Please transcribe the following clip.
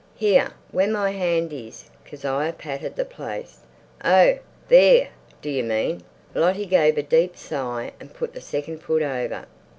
"Here where my hand is." Kezia patted the place. "Oh, there do you mean!" Lottie gave a deep sigh and put the second foot over.